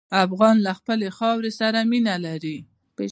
افغان له خپلې خاورې سره مینه لري.